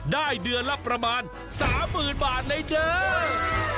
ได้เดือนลับประมาณสามหมื่นบาทในเดิม